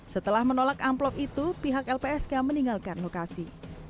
setelah menolak amplop itu pihak lpsk meninggalkan lokasi